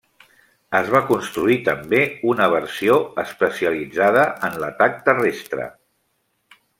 Es va construir també una versió especialitzada en l'atac terrestre.